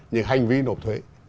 những hành vi nộp thuế